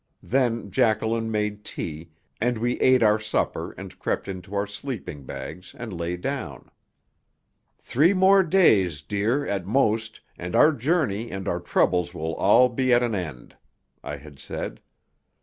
Then Jacqueline made tea, and we ate our supper and crept into our sleeping bags and lay down. "Three more days, dear, at most, and our journey and our troubles will all be at an end," I had said.